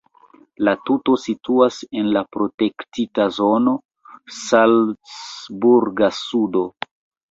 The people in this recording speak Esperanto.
La tuto situas en la protektita zono "Salcburga sudo".